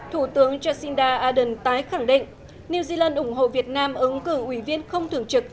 thủ tướng jacinda ardern tái khẳng định new zealand ủng hộ việt nam ứng cử ủy viên không thường trực